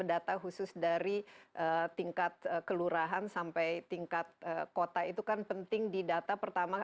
data khusus dari tingkat kelurahan sampai tingkat kota itu kan penting di data pertama